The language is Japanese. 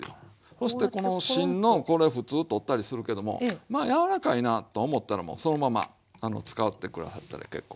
そしてこの芯のこれ普通取ったりするけどもまあ柔らかいなと思ったらもうそのまま使って下さったら結構です。